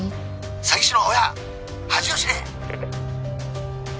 ☎詐欺師の親恥を知れ！